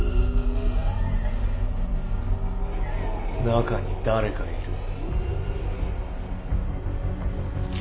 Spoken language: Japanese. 中に誰かいる。